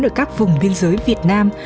ở các vùng biên giới việt nam